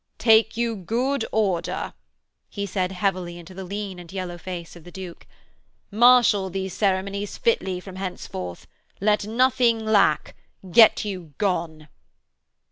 'Take you good order,' he said heavily into the lean and yellow face of the Duke. 'Marshal these ceremonies fitly from henceforth. Let nothing lack. Get you gone.'